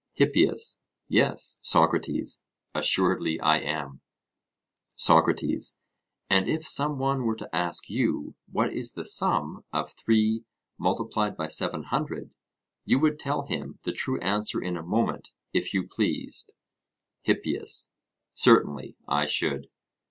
HIPPIAS: Yes, Socrates, assuredly I am. SOCRATES: And if some one were to ask you what is the sum of 3 multiplied by 700, you would tell him the true answer in a moment, if you pleased? HIPPIAS: certainly I should.